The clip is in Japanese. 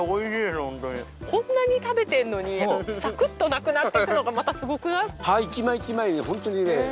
こんなに食べてるのにサクッとなくなっていくのがまたすごくない？